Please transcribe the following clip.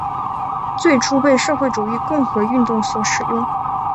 最初被社会主义共和运动所使用。